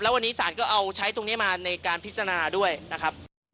วันนี้ศาลก็เอาใช้ตรงนี้มาในการพิจารณาด้วยนะครับ